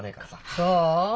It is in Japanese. そう？